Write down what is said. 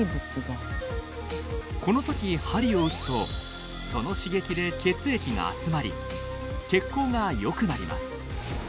この時鍼を打つとその刺激で血液が集まり血行がよくなります。